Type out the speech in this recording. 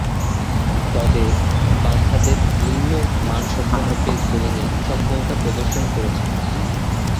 তবে, বামহাতে ভিন্ন মানসম্পন্ন পেস বোলিংয়ে সক্ষমতা প্রদর্শন করেছেন।